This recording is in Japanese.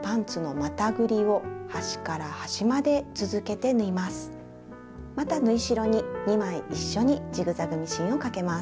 また縫い代に２枚一緒にジグザグミシンをかけます。